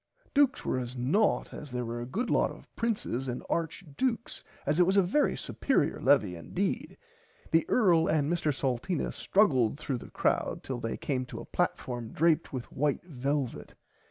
Dukes were as nought as there were a good lot of princes and Arch Dukes as it was a very superier levie indeed. The earl and Mr Salteena struggled through the crowd till they came to a platform draped with white velvit.